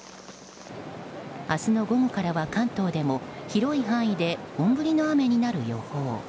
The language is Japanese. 明日の午後からは関東でも広い範囲で本降りの雨になる予報。